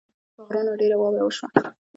په غرونو ډېره واوره وشوه